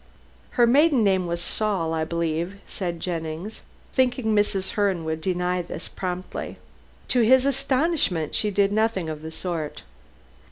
"Her maiden name was Saul, I believe," said Jennings, thinking Mrs. Herne would deny this promptly. To his astonishment she did nothing of the sort.